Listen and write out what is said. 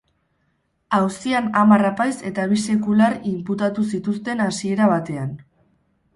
Auzian hamar apaiz eta bi sekular inputatu zituzten hasiera batean.